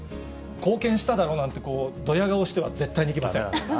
貢献しただろなんてどや顔しては絶対にいけません。